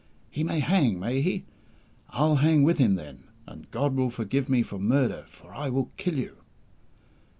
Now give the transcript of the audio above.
He may hang, may he? I'll hang with him, then, and God will forgive me for murder, for I will kill you!"